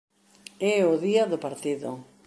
É o día do partido.